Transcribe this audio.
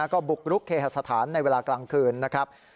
ก็บุกรุกเคหสถานในเวลากลางคืนนะครับ